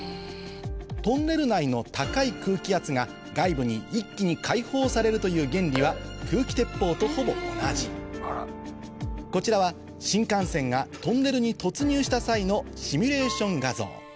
トンネル内の高い空気圧が外部に一気に解放されるという原理は空気鉄砲とほぼ同じこちらは新幹線がトンネルに突入した際のシミュレーション画像